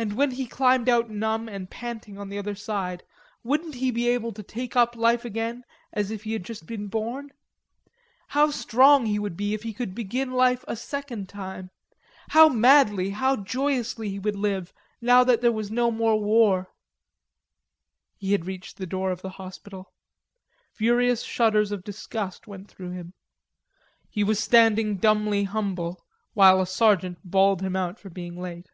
And when he climbed out numb and panting on the other side, wouldn't he be able to take up life again as if he had just been born? How strong he would be if he could begin life a second time! How madly, how joyously he would live now that there was no more war.... He had reached the door of the hospital. Furious shudders of disgust went through him. He was standing dumbly humble while a sergeant bawled him out for being late.